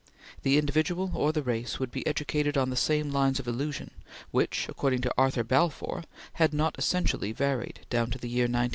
The individual or the race would be educated on the same lines of illusion, which, according to Arthur Balfour, had not essentially varied down to the year 1900.